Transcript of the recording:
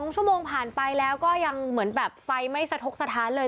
๒ชั่วโมงผ่านไปแล้วก็ยังเหมือนแบบไฟไม่สะทกสถานเลย